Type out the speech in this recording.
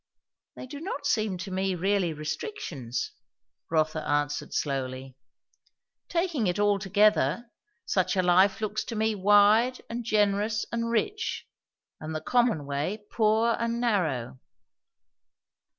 "They do not seem to me really restrictions," Rotha answered slowly. "Taking it altogether, such a life looks to me wide and generous and rich; and the common way poor and narrow."